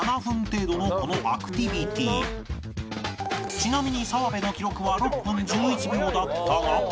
ちなみに澤部の記録は６分１１秒だったが